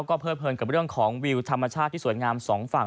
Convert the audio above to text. ก็เพิดเพลินกับเรื่องของวิวธรรมชาติที่สวยงามสองฝั่ง